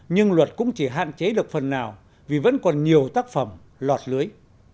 nhưng luật cũng chỉ hạn chế được phần nào vì vẫn còn nhiều tác phẩm lọt lưới